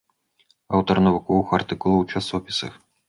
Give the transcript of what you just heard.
Аўтар навуковых артыкулаў у часопісах.